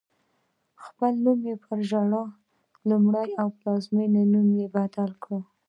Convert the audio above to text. خپل نوم یې پر ژواو لومړی او پلازمېنې نوم یې بدل کړ.